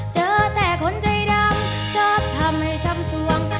เจอแต่คนใจดำชอบทำให้ช้ำสวง